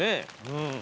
うん。